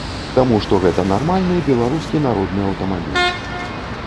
Таму што гэта нармальны беларускі народны аўтамабіль.